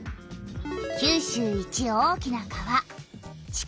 九州一大きな川「筑後川」。